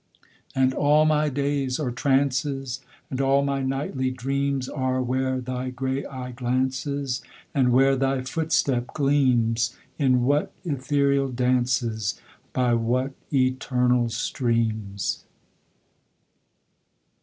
And all my days are trances, And all my nightly dreams Are where thy grey eye glances, And where thy footstep gleams In what ethereal dances, By what eternal streams.